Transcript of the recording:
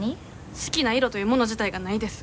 好きな色というもの自体がないです。